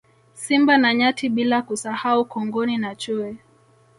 Simba na Nyati bila kusahau Kongoni na Chui